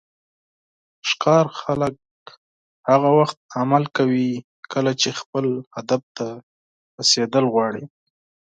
ښکار خلک هغه وخت عمل کوي کله چې خپل هدف ته رسیدل غواړي.